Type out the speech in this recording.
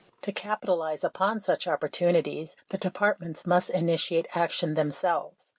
To capitalize upon such opportunities, the Departments must initiate action themselves.